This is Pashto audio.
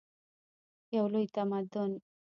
یو لوی تمدن.